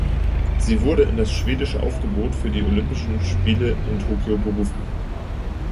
Sie wurde in das schwedische Aufgebot für die Olympischen Spiele in Tokio berufen.